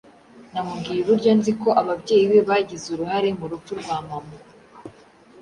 Namubwiye uburyo nzi ko ababyeyi be bagize uruhare mu rupfu rwa mama